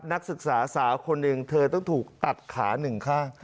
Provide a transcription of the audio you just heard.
นักศึกษาสาวคนหนึ่งเธอต้องถูกตัดขาหนึ่งข้าง